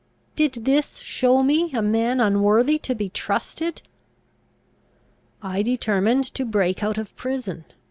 Did this show me a man unworthy to be trusted? "I determined to break out of prison.